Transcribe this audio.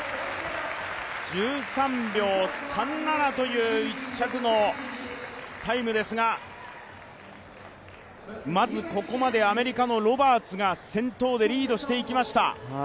１３秒３７という１着のタイムですがまず、ここまでアメリカのロバーツが先頭でリードしていきました。